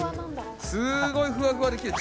すごいふわふわで上品な。